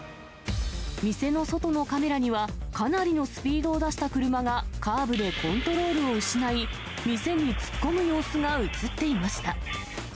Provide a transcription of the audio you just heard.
店の外のカメラには、かなりのスピードを出した車がカーブでコントロールを失い、店に突っ込む様子が写っていました。